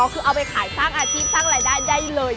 คือเอาไปขายสร้างอาชีพสร้างรายได้ได้เลย